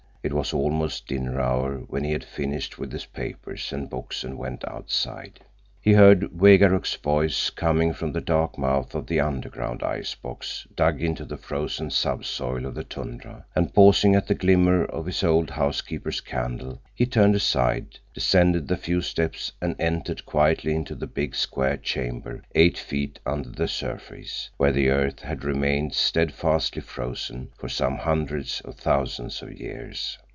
It was almost dinner hour when he had finished with his papers and books and went outside. He heard Wegaruk's voice coming from the dark mouth of the underground icebox dug into the frozen subsoil of the tundra, and pausing at the glimmer of his old housekeeper's candle, he turned aside, descended the few steps, and entered quietly into the big, square chamber eight feet under the surface, where the earth had remained steadfastly frozen for some hundreds of thousands of years.